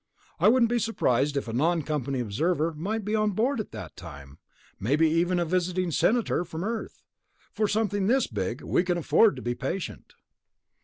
I wouldn't be surprised if a non company observer might be on board at the time, maybe even a visiting Senator from Earth. For something this big, we can afford to be patient."